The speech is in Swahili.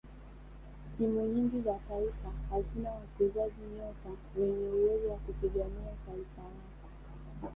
timu nyingi za taifa hazina wachezaji nyota wenye uwezo wa kupigania taifa lako